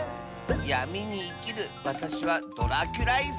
やみにいきるわたしはドラキュライス。